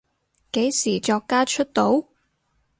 幾時作家出道？